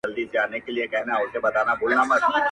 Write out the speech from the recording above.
o نيمچه ملا سړی کفر ته باسي!